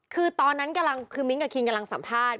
คือตอนนั้นกำลังคือมิ้งกับคิงกำลังสัมภาษณ